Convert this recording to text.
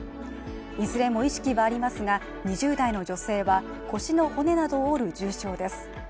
いずれも意識はありますが、２０代の女性は腰の骨などを折る重傷です。